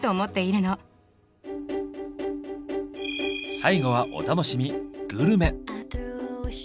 最後はお楽しみ「グルメ」。